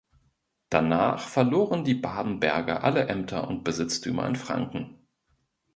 Danach verloren die Babenberger alle Ämter und Besitztümer in Franken.